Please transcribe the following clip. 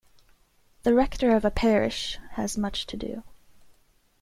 The rector of a parish has much to do.